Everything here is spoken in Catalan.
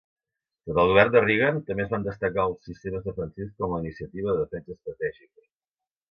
Sota el govern de Reagan, també es van destacar els sistemes defensius com la Iniciativa de Defensa Estratègica.